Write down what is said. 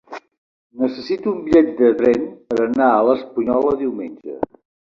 Necessito un bitllet de tren per anar a l'Espunyola diumenge.